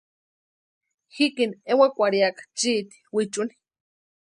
Jikini ewakwarhiaka chiti wichuni.